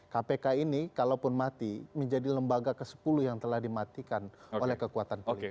kpk ini kalaupun mati menjadi lembaga ke sepuluh yang telah dimatikan oleh kekuatan politik